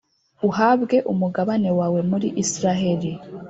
uhabwe umugabane wawe muri Israheli.’